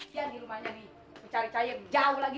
lihat di rumahnya nih cari cari jauh lagi